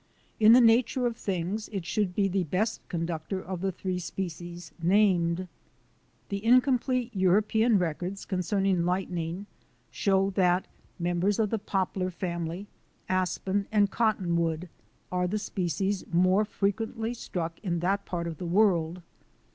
In the nature of things, it should be the best conductor of the three species named. The incomplete European records concerning lightning show that members of the poplar family, aspen, and cottonwood, are the species more fre quently struck in that part of the world.